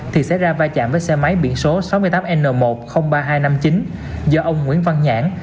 thì xảy ra va chạm với xe máy biển số sáu mươi tám n một trăm linh ba nghìn hai trăm năm mươi chín do ông nguyễn văn nhãn